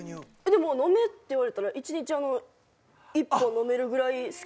でも飲めって言われたら１日１本飲めるぐらい好きです。